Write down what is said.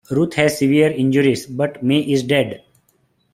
Ruth has severe injuries, but May is dead.